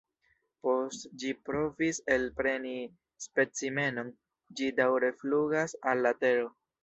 Post ĝi provis elpreni specimenon, ĝi daŭre flugas al la tero.